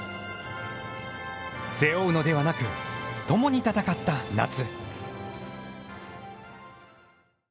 背負うのではなく、共に戦った夏。